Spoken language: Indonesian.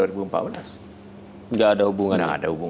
tidak ada hubungannya